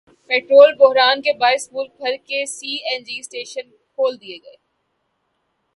petrol بحران کے باعث ملک بھر کے سی این جی اسٹیشن کھول دیئے گئے